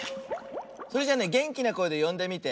それじゃあねげんきなこえでよんでみて。